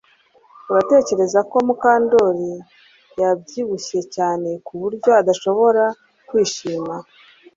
Uratekereza ko Mukandoli yabyibushye cyane kuburyo adashobora kwishima